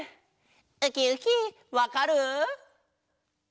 ウキウキわかる？